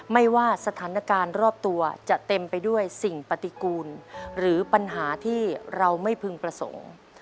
ไม่ว่าสถานการณ์รอบตัวจะเต็มไปด้วยสิ่งปฏิกูลหรือปัญหาที่เราไม่พึงประสงค์